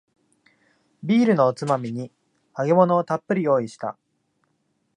ビールのおつまみに揚げ物をたっぷり用意した